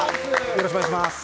よろしくお願いします